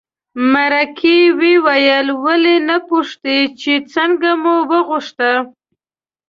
مرکې وویل ولې نه پوښتې چې څنګه مو وغوښته.